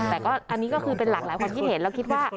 แต่อันนี้ก็คือเป็นหลักหลายความที่เห็น